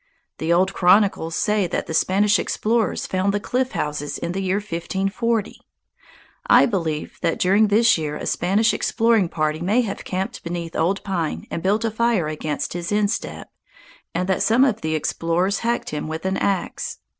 The old chronicles say that the Spanish explorers found the cliff houses in the year 1540. I believe that during this year a Spanish exploring party may have camped beneath Old Pine and built a fire against his instep, and that some of the explorers hacked him with an axe.